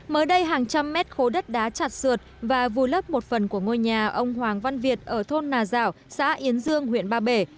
mới đây hàng trăm mét khối đất đá chặt sượt và vùi lấp một phần của ngôi nhà ông hoàng văn việt ở thôn nà dạo xã yến dương huyện ba bể